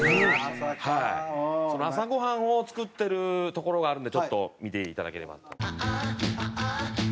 その朝ご飯を作ってるところがあるのでちょっと見て頂ければと。